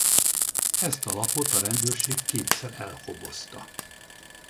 Ezt a lapot a rendőrség kétszer elkobozta.